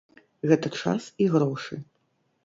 Гэта час і грошы.